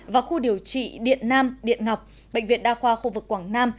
và khu điều trị điện nam điện ngọc bệnh viện đa khoa khu vực quảng nam